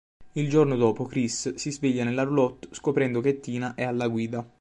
Il giorno dopo Chris si sveglia nella roulotte scoprendo che Tina è alla guida.